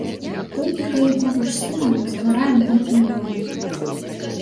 Толькі калі побач з сынам мы ствараем гэтую норму.